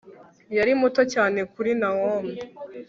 yari muto cyane kuri nawomi